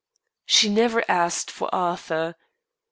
She never asked for Arthur.